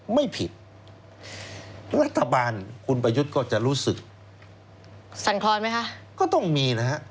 ไม่ผิดรัฐบาลคุณประยุทธ์ก็จะรู้สึกสั่นคลอนไหมคะก็ต้องมีนะฮะ